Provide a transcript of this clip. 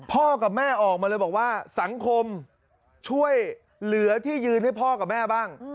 พ่อกับแม่ออกมาเลยบอกว่าสังคมช่วยเหลือที่ยืนให้พ่อกับแม่บ้าง